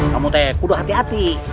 kamu udah hati hati